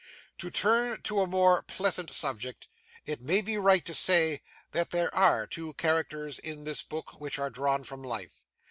"To turn to a more pleasant subject, it may be right to say, that there ARE two characters in this book which are drawn from life.